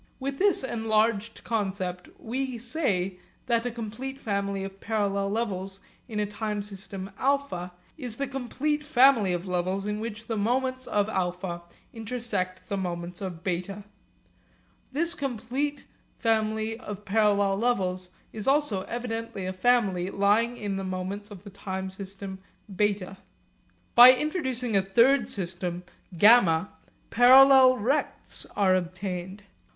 With this enlarged concept we say that a complete family of parallel levels in a time system α is the complete family of levels in which the moments of α intersect the moments of β. This complete family of parallel levels is also evidently a family lying in the moments of the time system β. By introducing a third time system γ, parallel rects are obtained.